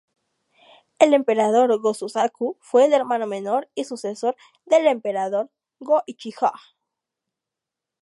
El Emperador Go-Suzaku fue el hermano menor y sucesor del Emperador Go-Ichijō.